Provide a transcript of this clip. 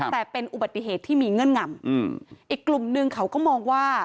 แต่เป็นอุบัติเหตุที่มีเงื่อนงำอีกกลุ่มนึงเขาก็มองว่า